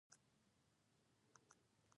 زمونږ ټول کور د هغه لپاره انديښمن وه.